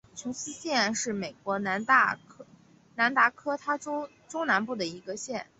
琼斯县是美国南达科他州中南部的一个县。